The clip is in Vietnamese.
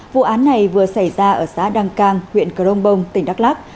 vụ án này vừa xảy ra ở xá đăng cang huyện cờ đông bông tỉnh đắk lắk